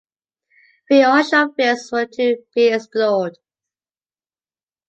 Three onshore fields were to be explored.